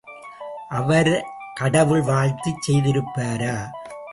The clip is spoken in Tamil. அவர் கடவுள் வாழ்த்துச் செய்திருப்பாரா?